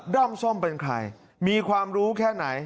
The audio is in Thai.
้อมส้มเป็นใครมีความรู้แค่ไหน